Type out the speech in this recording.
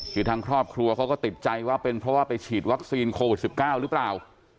คือทางครอบครัวเขาก็ติดใจว่าเป็นเพราะว่าไปฉีดวัคซีนโควิด๑๙หรือเปล่า